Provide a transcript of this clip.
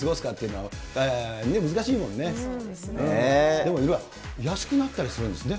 でも安くなったりするんですね。